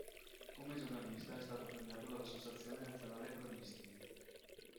Come giornalista è stato premiato dall'Associazione nazionale cronisti.